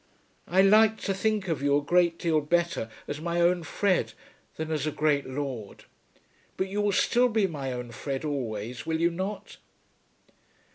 I liked to think of you a great deal better as my own Fred, than as a great lord. But you will still be my own Fred always; will you not?